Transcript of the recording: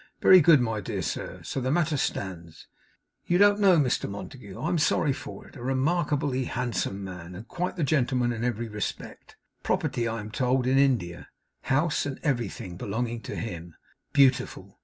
'Very good, my dear sir, so the matter stands. You don't know Mr Montague? I'm sorry for it. A remarkably handsome man, and quite the gentleman in every respect. Property, I am told, in India. House and everything belonging to him, beautiful.